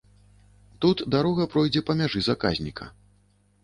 Тут дарога пройдзе па мяжы заказніка.